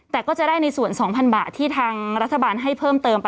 แต่ก็จะได้ในส่วน๒๐๐บาทที่ทางรัฐบาลให้เพิ่มเติม